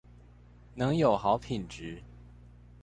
能有好品質